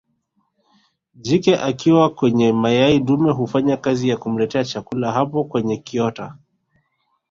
Jike akiwa kwenye mayai dume hufanya kazi ya kumletea chakula hapo kwenye kiota